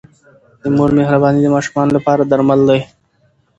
د مور مهرباني د ماشومانو لپاره درمل دی.